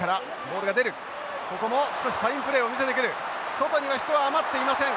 外には人は余っていません。